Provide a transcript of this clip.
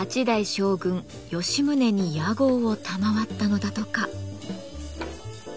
将軍吉宗に屋号を賜ったのだとか。